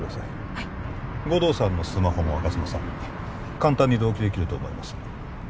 はい護道さんのスマホも吾妻さんに簡単に同期できると思います